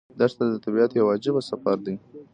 دښته د طبیعت یو عجیب سفر دی.